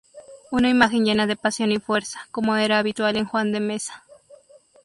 Una imagen llena de pasión y fuerza, como era habitual en Juan de Mesa.